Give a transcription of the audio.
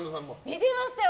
見てましたよ。